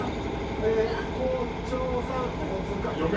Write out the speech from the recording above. え校長さんおつかれ。